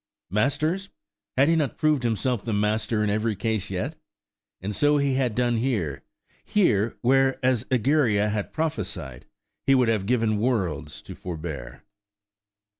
Masters? had he not proved himself the master in every case yet? And so he had done here–here, where, as Egeria had prophesied, he would have given worlds to forbear.